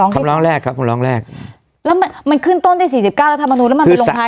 ขื่นต้นละ๔๙